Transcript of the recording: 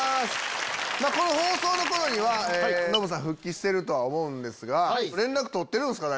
この放送の頃にはノブさん復帰してるとは思うんですが連絡取ってるんすか？